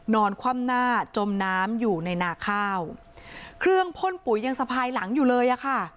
คว่ำหน้าจมน้ำอยู่ในนาข้าวเครื่องพ่นปุ๋ยยังสะพายหลังอยู่เลยอะค่ะ